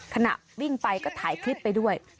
ขณะวิ่งไปก็ถ่ายคลิปไปด้วย